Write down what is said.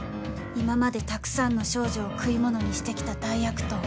今までたくさんの少女を食い物にして来た大悪党